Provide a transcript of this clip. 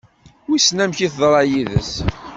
Wissen amek i teḍra yid-s?